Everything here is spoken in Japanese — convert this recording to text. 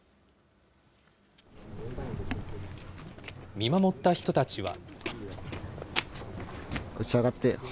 見守った人たちは。